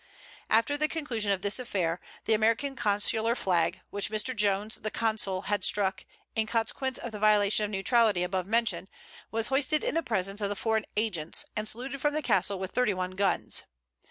After the conclusion of this affair, the American consular flag, which Mr. Jones, the consul, had struck, in consequence of the violation of neutrality above mentioned, was hoisted in the presence of the foreign agents, and saluted from the castle with thirty one guns.